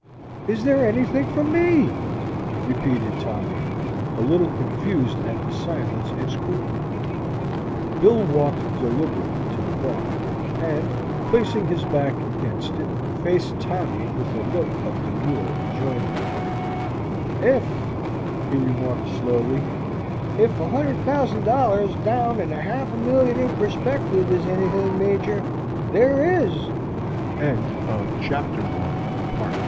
"Is there anything for me?" repeated Tommy, a little confused at the silence and scrutiny. Bill walked deliberately to the bar, and, placing his back against it, faced Tommy with a look of demure enjoyment. "Ef," he remarked slowly, "ef a hundred thousand dollars down and half a million in perspektive is ennything, Major, THERE IS!" MRS. SKAGGS'S HUSBANDS. PART II EAST.